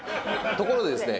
ところでですね